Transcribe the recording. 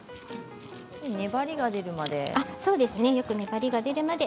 粘りが出るまで？